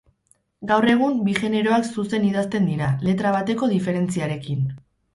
Gaur egun bi generoak zuzen idazten dira, letra bateko diferentziarekin.